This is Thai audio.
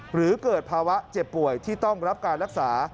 หรือเกิดภาวะเจ็บป่วยที่ต้องรับการรักษา